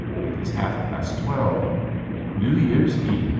It is half past twelve! New Year's Eve!